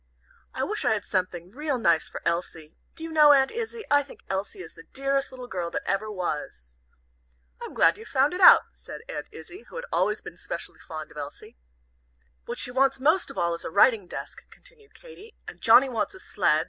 "I wish I had something real nice for Elsie. Do you know, Aunt Izzie I think Elsie is the dearest little girl that ever was." "I'm glad you've found it out," said Aunt Izzie, who had always been specially fond of Elsie. "What she wants most of all is a writing desk," continued Katy. "And Johnnie wants a sled.